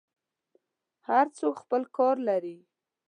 هر څوک خپل کار لري.